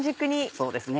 そうですね。